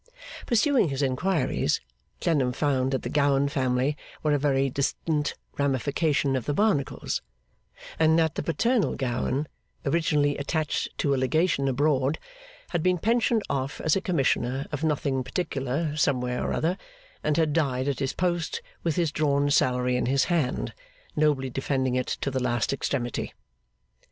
Pursuing his inquiries, Clennam found that the Gowan family were a very distant ramification of the Barnacles; and that the paternal Gowan, originally attached to a legation abroad, had been pensioned off as a Commissioner of nothing particular somewhere or other, and had died at his post with his drawn salary in his hand, nobly defending it to the last extremity.